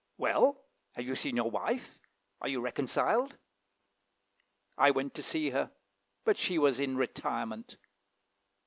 "Well, have you seen your wife? Are you reconciled?" "I went to see her; but she was in retirement."